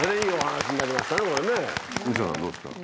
どうですか？